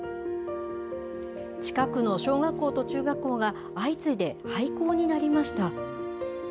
近くの小学校と中学校が、相次いで廃校になりました。